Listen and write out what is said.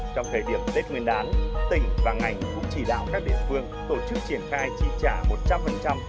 trong thời điểm tết nguyên đán tỉnh và ngành cũng chỉ đạo các địa phương tổ chức triển khai chi trả một trăm linh